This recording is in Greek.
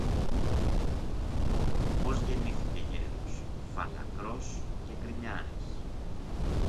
Πως γεννήθηκε γέρος, φαλακρός και γρινιάρης